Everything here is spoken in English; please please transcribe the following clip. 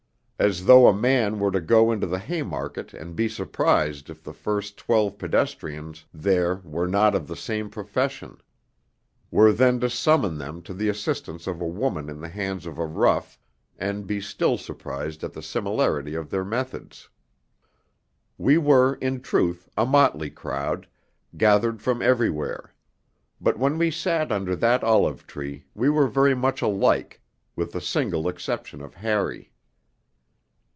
As though a man were to go into the Haymarket and be surprised if the first twelve pedestrians there were not of the same profession; were then to summon them to the assistance of a woman in the hands of a rough, and be still surprised at the similarity of their methods. We were, in truth, a motley crowd, gathered from everywhere; but when we sat under that olive tree we were very much alike with the single exception of Harry.